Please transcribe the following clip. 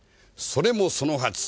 それもそのはず。